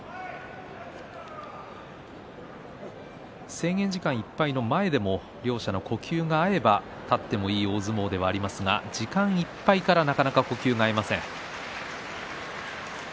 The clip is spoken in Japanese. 制限時間いっぱいの前でも両者の呼吸が合えば立ってもいい大相撲ではありますが時間いっぱいから呼吸が合いません。